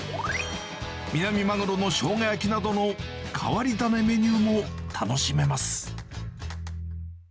ミナミマグロのショウガ焼きなどの変わり種メニューも楽しめます。